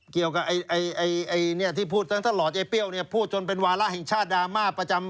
เกี่ยวกับไอ้ที่พูดทั้งตลอดไอ้เปรี้ยวเนี่ยพูดจนเป็นวาระแห่งชาติดราม่าประจำ